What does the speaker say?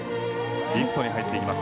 リフトに入っていきます。